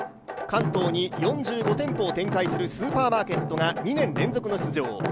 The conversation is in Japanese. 関東に４５店舗を展開するスーパーマーケットが２年連続の出場。